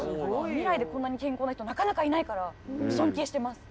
未来でこんなに健康な人なかなかいないから尊敬してます！